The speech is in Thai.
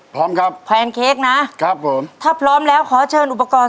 พร้อมครับแพนเค้กนะครับผมถ้าพร้อมแล้วขอเชิญอุปกรณ์